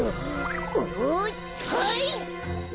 おっはい！